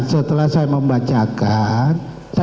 setelah saya membacakan